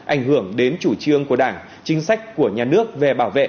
ảnh hưởng đến chủ trương của đảng chính sách của nhà nước về bảo vệ